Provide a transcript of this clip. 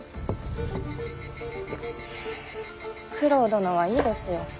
九郎殿はいいですよ。